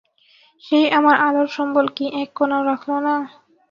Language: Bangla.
সেই আমার আলোর সম্বল কি এক কণাও রাখল না?